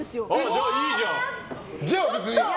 じゃあいいじゃん！